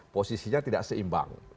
posisinya tidak seimbang